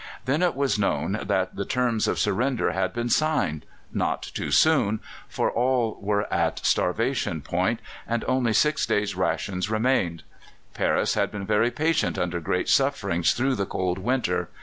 Then it was known that the terms of surrender had been signed not too soon, for all were at starvation point, and only six days' rations remained. Paris had been very patient under great sufferings through the cold winter.